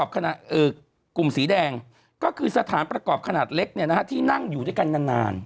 กลุ่มสีแดงก็คือสถานประกอบขนาดเล็กที่นั่งอยู่ด้วยกันนาน